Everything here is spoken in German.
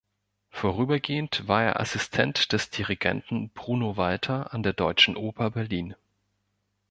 Vorübergehend war er Assistent des Dirigenten Bruno Walter an der Deutschen Oper Berlin.